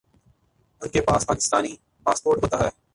انکے پاس پاکستانی پاسپورٹ ہوتا ہے